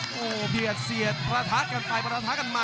โอ้โหเบียดเสียดประทะกันไปประทะกันมา